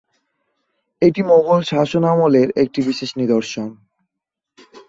এটি মোগল শাসনামলের একটি বিশেষ নিদর্শন।